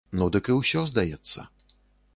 Ну дык і ўсё, здаецца.